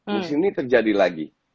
musim ini terjadi lagi